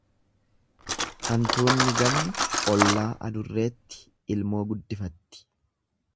Hantuunni gamni ollaa adurreetti ilmoo guddifatti.